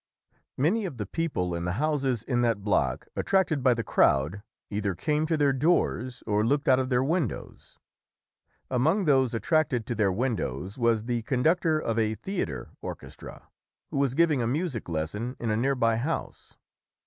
Many of the people in the houses in that block, attracted by the crowd, either came to their doors or looked out of their windows. Among those attracted to their windows was the conductor of a theatre orchestra, who was giving a music lesson in a nearby house.